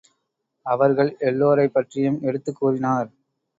அவர்கள் எல்லோரைப் பற்றியும் எடுத்துக் கூறினார்.